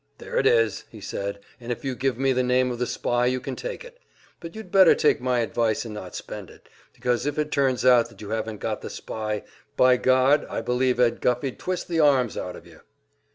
"There it is," he said, "and if you give me the name of the spy you can take it. But you'd better take my advice and not spend it, because if it turns out that you haven't got the spy, by God, I believe Ed Guffey'd twist the arms out of you!"